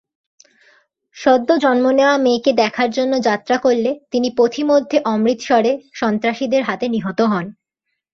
সদ্য জন্ম নেওয়া মেয়েকে দেখার জন্য যাত্রা করলে তিনি পথিমধ্যে অমৃতসরে সন্ত্রাসীদের হাতে নিহত হন।